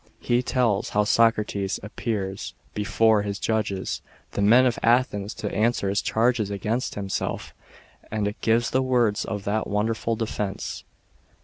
He tells, how Socrates appeared before his judges, the men of Athens, to answer the charges against him self, and it gives the words of that wonderful defence.